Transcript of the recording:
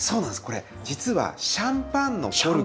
これ実はシャンパンのコルク。